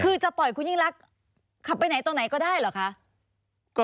คือจะปล่อยคุณยิ่งรักขับไปไหนตรงไหนก็ได้เหรอคะ